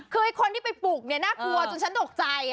คนที่ไปปลุกนี่น่าควรจนฉันตกใจ